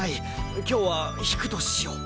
今日は引くとしよう。